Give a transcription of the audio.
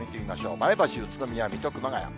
前橋、宇都宮、水戸、熊谷。